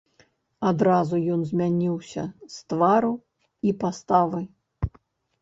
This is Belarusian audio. Адразу ён змяніўся з твару і паставы.